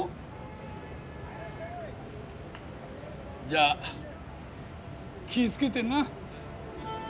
じゃあ気ぃ付けてな。